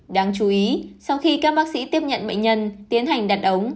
đáng chú ý sau khi các bác sĩ tiếp nhận bệnh nhân tiến hành đặt ống